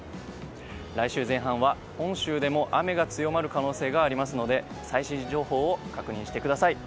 来週前半は本州でも雨が強まる可能性がありますので最新情報を確認してください。